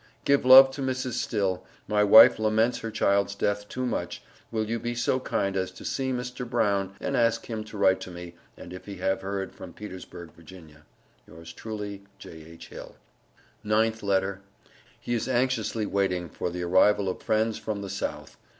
Give love to Mrs. Still. My wife laments her child's death too much, wil you be so kind as to see Mr. Brown and ask him to write to me, and if he have heard from Petersburg Va. Yours truely J.H. HILL. NINTH LETTER. _He is anxiously waiting for the arrival of friends from the South.